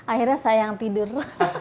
akhirnya saya yang tidur